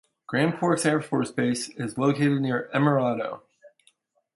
Grand Forks Air Force Base is located near Emerado.